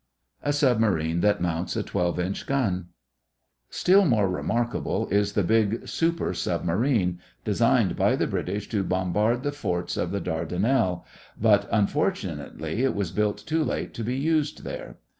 A SUBMARINE THAT MOUNTS A TWELVE INCH GUN Still more remarkable is the big "super submarine" designed by the British to bombard the forts of the Dardanelles, but unfortunately it was built too late to be used there.